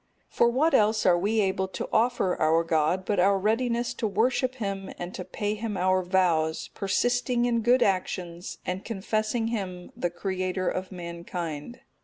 For what else are we able to offer to our God, but our readiness to worship Him and to pay Him our vows, persisting in good actions, and confessing Him the Creator of mankind?